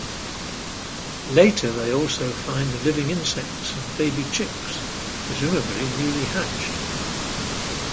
Later, they also find living insects and baby chicks, presumably newly hatched.